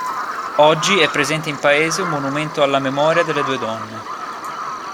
Oggi è presente in paese un monumento alla memoria delle due donne.